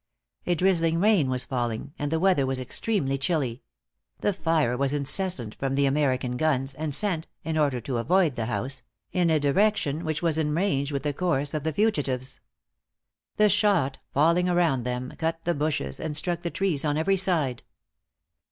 A drizzling rain was falling, and the weather was extremely chilly; the fire was incessant from the American guns, and sent in order to avoid the house in a direction which was in a range with the course of the fugitives. The shot, falling around them, cut the bushes, and struck the trees on every side.